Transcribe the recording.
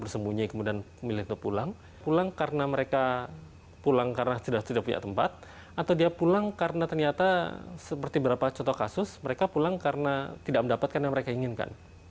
seperti beberapa contoh kasus mereka pulang karena tidak mendapatkan yang mereka inginkan